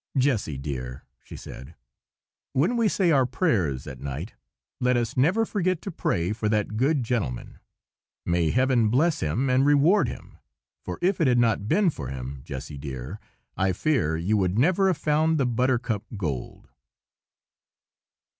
"Jessy dear," she said, "when we say our prayers at night, let us never forget to pray for that good gentleman. May Heaven bless him and reward him! for if it had not been for him, Jessy dear, I fear you would never have found the 'Buttercup Gold.